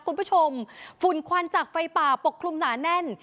คุณผู้ชมฝุ่นควันจากไฟป่าปกครุมหนาแน่น